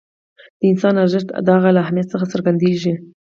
د انسان ارزښت د هغه له اهمیت څخه څرګندېږي.